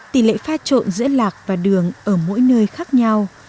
tỷ lệ pha trộn giữa lạc và đường ở mỗi nơi khác nhau